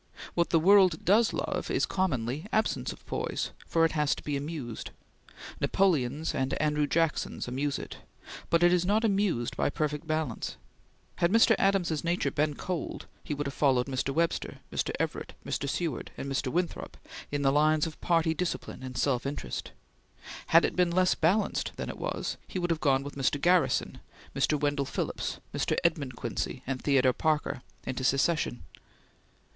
What the world does love is commonly absence of poise, for it has to be amused. Napoleons and Andrew Jacksons amuse it, but it is not amused by perfect balance. Had Mr. Adams's nature been cold, he would have followed Mr. Webster, Mr. Everett, Mr. Seward, and Mr. Winthrop in the lines of party discipline and self interest. Had it been less balanced than it was, he would have gone with Mr. Garrison, Mr. Wendell Phillips, Mr. Edmund Quincy, and Theodore Parker, into secession.